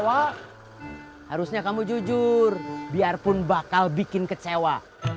wah harusnya kamu jujur biarpun bakal bikin kecewa